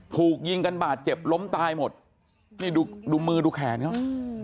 ถูกยิงกันบาดเจ็บล้มตายหมดนี่ดูดูมือดูแขนเขา